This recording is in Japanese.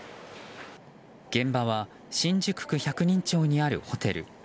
現場は新宿区百人町にあるホテル。